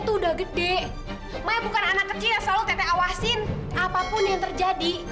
tuh udah gede maya bukan anak kecil yang selalu tete awasin apapun yang terjadi